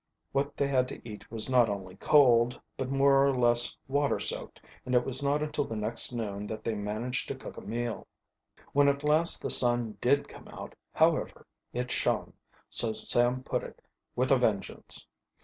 What they had to eat was not only cold, but more or less water soaked, and it was not until the next noon that they managed to cook a meal. When at last the sun did come out, however, it shone, so Sam put it, "with a vengeance."